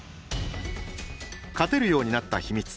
勝てるようになった秘密。